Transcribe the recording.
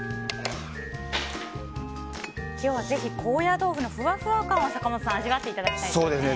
今日はぜひ高野豆腐のふわふわ感を坂本さん味わっていただきたいですね。